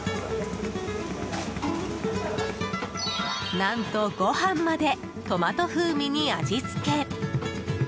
何と、ご飯までトマト風味に味付け。